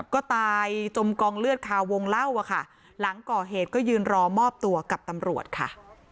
ก็ตายจมกองเลือดคาวงเล่าอะค่ะหลังก่อเหตุก็ยืนรอมอบตัวกับตำรวจค่ะ